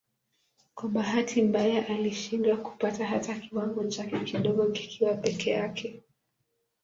Kwa bahati mbaya alishindwa kupata hata kiwango chake kidogo kikiwa peke yake.